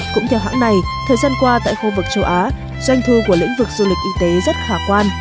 cũng theo hãng này thời gian qua tại khu vực châu á doanh thu của lĩnh vực du lịch y tế rất khả quan